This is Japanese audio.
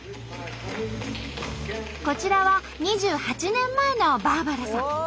こちらは２８年前のバーバラさん。